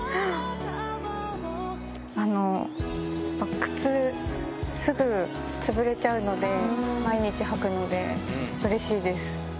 靴、すぐ潰れちゃうので、毎日履くので、うれしいです。